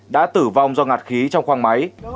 đã tử vong do ngạt khí trong khoang máy